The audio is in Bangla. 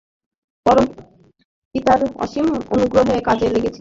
পরম পিতার অসীম অনুগ্রহকে কাজে লাগিয়ে, এই শয়তানকে মেরে ফেলব আমি!